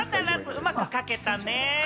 うまくかけたね。